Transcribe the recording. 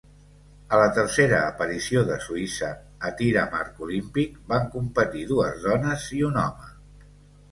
A la tercera aparició de Suïssa a tir amb arc olímpic van competir dues dones i un home.